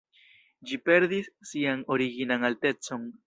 Ĝi perdis sian originan altecon.